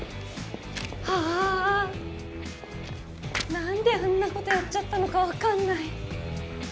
なんであんな事やっちゃったのかわかんない。